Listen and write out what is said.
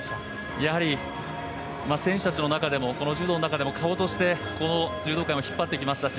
やはり、選手たちの中でもこの柔道の中でも顔として柔道界を引っ張ってきましたし